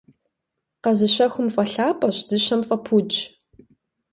Къэзыщэхум фӀэлъапӀэщ, зыщэм фӀэпудщ.